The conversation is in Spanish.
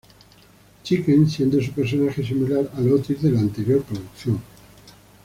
Chicken", siendo su personaje similar al Otis de la anterior producción.